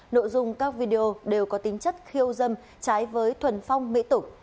nội dung các video đều có tính chất khiêu dâm trái với thuần phong mỹ tục